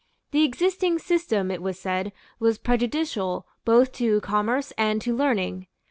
The existing system, it was said, was prejudicial both to commerce and to learning.